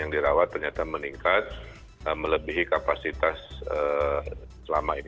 yang dirawat ternyata meningkat melebihi kapasitas selama ini